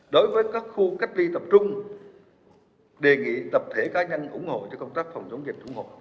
đối với các khu cách ly tập trung đề nghị tập thể cá nhân ủng hộ cho công tác phòng chống dịch ủng hộ